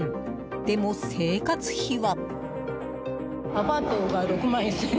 でも、生活費は。